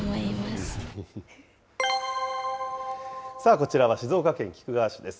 こちらは静岡県菊川市です。